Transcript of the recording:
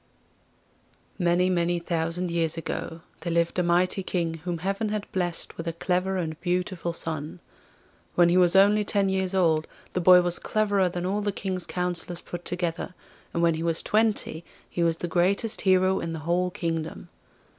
Many, many thousand years ago there lived a mighty King whom heaven had blessed with a clever and beautiful son. When he was only ten years old the boy was cleverer than all the King's counsellors put together, and when he was twenty he was the greatest hero in the whole kingdom.